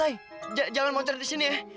laura say jangan moncer disini ya